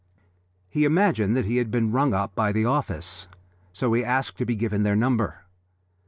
He imagined that he had been rung up by the office, so he asked to be given their number.